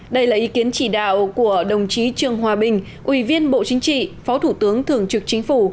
đây là ý kiến chỉ đạo của đồng chí trương hòa bình ủy viên bộ chính trị phó thủ tướng thường trực chính phủ